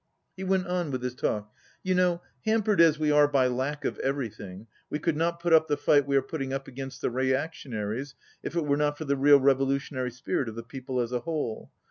He went on with his talk. "You know, hampered as we are by lack of everything, we could not put up the fight we are putting up against the reactionaries if it were not for the real revolutionary spirit of the people as a whole.